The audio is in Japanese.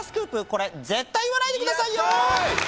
これ絶対言わないでくださいよ。